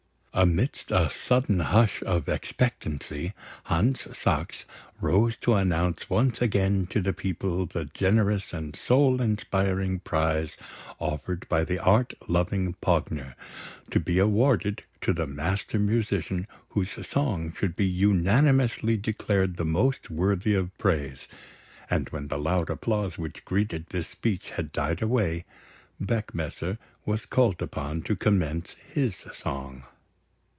Amidst a sudden hush of expectancy, Hans Sachs rose to announce once again to the people the generous and soul inspiring prize offered by the art loving Pogner, to be awarded to the Master Musician whose song should be unanimously declared the most worthy of praise; and when the loud applause which greeted this speech had died away, Beckmesser was called upon to commence his song.